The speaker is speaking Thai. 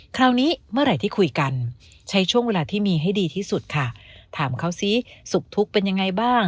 คราวนี้เมื่อไหร่ที่คุยกัน